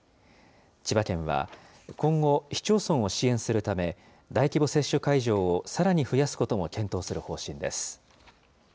千葉県は今後、市町村を支援するため、大規模接種会場をさらに増やすことも検討する方針です。